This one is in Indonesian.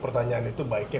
pertanyaan yang terakhir